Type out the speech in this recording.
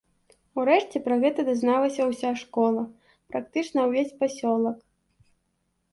Урэшце пра гэта дазналася ўся школа, практычна ўвесь пасёлак.